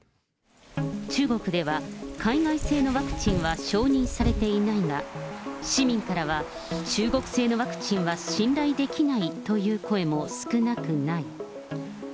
中国では、海外製のワクチンは承認されていないが、市民からは、中国製のワクチンは信頼できないという声も少なくない。